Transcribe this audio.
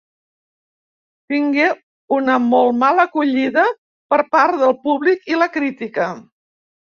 Tingué una molt mala acollida per part del públic i la crítica.